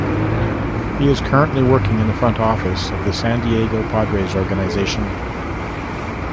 He is currently working in the front office of the San Diego Padres Organization.